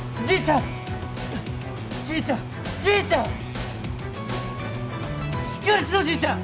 じいちゃん。